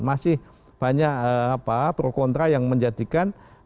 masih banyak pro kontra yang menjadikan masker ini menjadi saran masalah